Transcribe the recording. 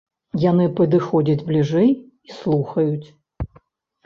Яны падыходзяць бліжэй і слухаюць.